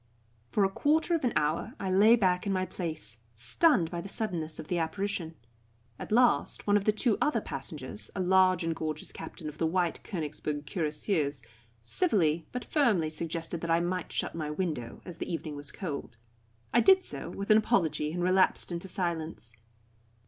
For a quarter of an hour I lay back in my place, stunned by the suddenness of the apparition. At last one of the two other passengers, a large and gorgeous captain of the White Königsberg Cuirassiers, civilly but firmly suggested that I might shut my window, as the evening was cold. I did so, with an apology, and relapsed into silence.